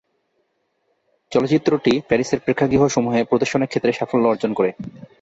চলচ্চিত্রটি প্যারিসের প্রেক্ষাগৃহ সমূহে প্রদর্শনের ক্ষেত্রে সাফল্য অর্জন করে।